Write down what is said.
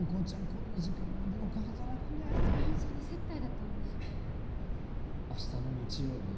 こんな時間までよく働くねスポンサーの接待だったんで明日の日曜日